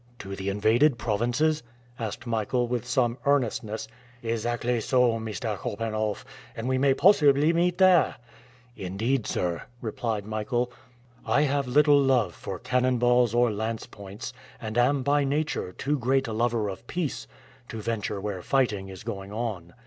"To the invaded provinces?" asked Michael with some earnestness. "Exactly so, Mr. Korpanoff; and we may possibly meet there." "Indeed, sir," replied Michael, "I have little love for cannon balls or lance points, and am by nature too great a lover of peace to venture where fighting is going on."